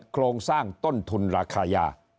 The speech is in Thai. โครงสร้างต้นทุนราคายา